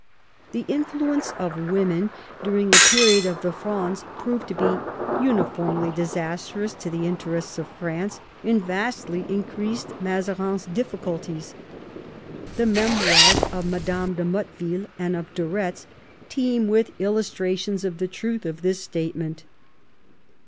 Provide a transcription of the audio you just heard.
The influence of women during the period of the Frondes proved to be uniformly disastrous to the interests of France, and vastly increased Mazarin's difficulties. The memoirs of Madame de Motteville and of de Eetz teem with illustrations of the truth of this statement.